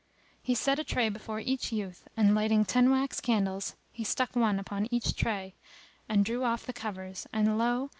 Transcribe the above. He set a tray before each youth and, lighting ten wax candles, he stuck one upon each tray, and drew off the covers and lo!